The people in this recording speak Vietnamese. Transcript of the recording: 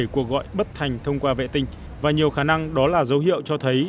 bảy cuộc gọi bất thành thông qua vệ tinh và nhiều khả năng đó là dấu hiệu cho thấy